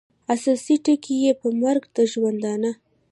اساسي ټکي یې پر مرګ د ژوندانه